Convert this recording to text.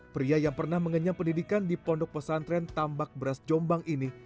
pria yang pernah mengenyam pendidikan di pondok pesantren tambak beras jombang ini